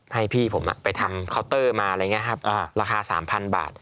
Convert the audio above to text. ให้พี่ผมไปทำเคาน์เตอร์มาราคา๓๐๐๐บาท